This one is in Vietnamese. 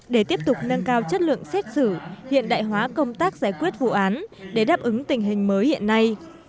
để tiếp tục nâng cao chất lượng xét xử hiện đại hóa công tác giải quyết vụ án để đáp ứng tình hình mới hiện nay